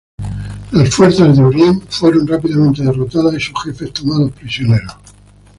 Las fuerzas de Urien fueron rápidamente derrotadas, y sus jefes tomados prisioneros.